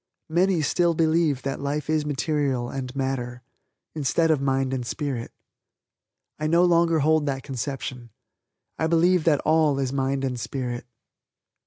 Many still believe that life is material and matter, instead of mind and spirit. I no longer hold that conception. I believe that all is mind and Spirit.